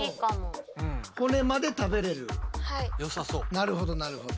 なるほどなるほど。